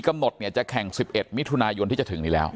กำนดเนี่ยจะแข่งสิบเอ็ดมิทุนายวันที่จะถึงนี่แล้ว